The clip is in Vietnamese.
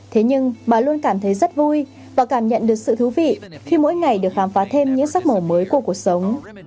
thế nhưng bà luôn cảm thấy rất vui và cảm nhận được sự thú vị khi mỗi ngày được khám phá thêm những sắc màu mới của cuộc sống